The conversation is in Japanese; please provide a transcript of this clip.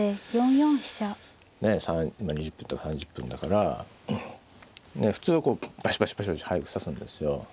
まあ２０分とか３０分だから普通はこうバシバシバシバシ速く指すんですよ。